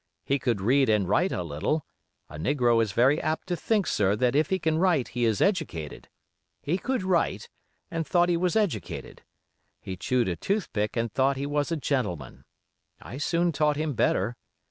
He could read and write a little—a negro is very apt to think, sir, that if he can write he is educated—he could write, and thought he was educated; he chewed a toothpick and thought he was a gentleman. I soon taught him better.